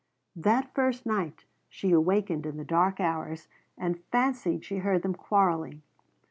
That first night she awakened in the dark hours and fancied she heard them quarreling.